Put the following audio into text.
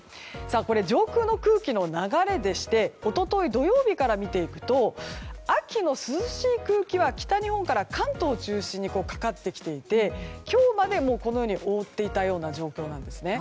こちら、上空の空気の流れでして一昨日、土曜日から見ていくと秋の涼しい空気は北日本から関東中心にかかってきていて今日まで、このように覆っていた状態なんですね。